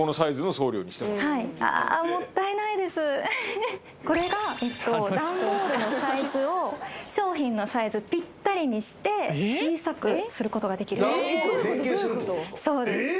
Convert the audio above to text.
ああこれが段ボールのサイズを商品のサイズピッタリにして小さくすることができるそうですえっ！？